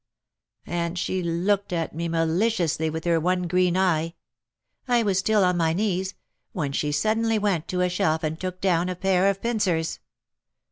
And she looked at me maliciously with her one green eye. I was still on my knees, when she suddenly went to a shelf and took down a pair of pincers."